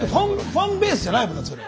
ファンベースじゃないもんだってそれ。